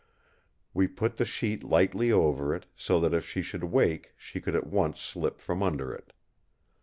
We put the sheet lightly over it, so that if she should wake she could at once slip from under it.